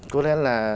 có lẽ là